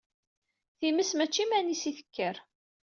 Times mačči iman-is i tekker.